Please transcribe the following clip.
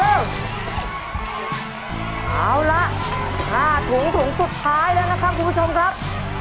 เอาล่ะน่าถุงถุงสุดท้ายเลยนะครับทุกผู้ชมครับ